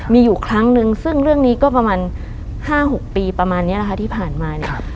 มีอยู่ครั้งนึงซึ่งเรื่องนี้ก็ประมาณ๕๖ปีประมาณนี้แหละค่ะที่ผ่านมาเนี่ย